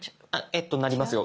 えっとなりますよ